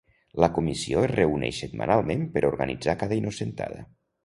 La Comissió es reuneix setmanalment per organitzar cada Innocentada.